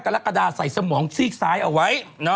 ๕กระละกระดาษใส่สมองซีกซ้ายเอาไว้